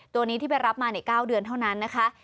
ตัวนี้ที่ไปรับมาใน๙เดือนเท่านั้นนะคะ